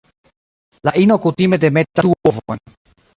La ino kutime demetas du ovojn.